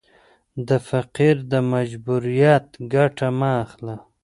د فقیر د مجبوریت ګټه مه اخله.